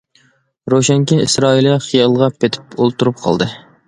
روشەنكى ئىسرائىلىيە خىيالغا پېتىپ ئولتۇرۇپ قالدى.